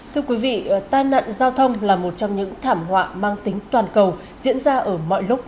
thưa quý vị tai nạn giao thông là một trong những thảm họa mang tính toàn cầu diễn ra ở mọi lúc